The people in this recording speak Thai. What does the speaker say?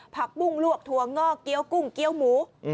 ปุ้งลวกถั่วงอกเกี้ยวกุ้งเกี้ยวหมู